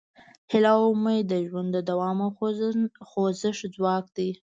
هیله او امید د ژوند د دوام او خوځښت ځواک دی.